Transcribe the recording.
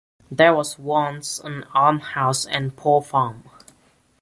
There was once an almshouse and poor farm.